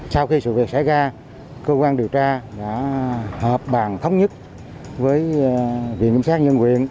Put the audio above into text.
sau khi sự việc xảy ra cơ quan điều tra đã họp bàn thống nhất với viện kiểm sát nhân quyền